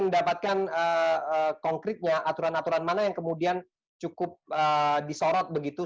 mendapatkan konkretnya aturan aturan mana yang kemudian cukup disorot begitu